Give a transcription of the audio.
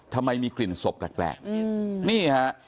ทำไมมีกลิ่นศพแปลกนี่ฮะ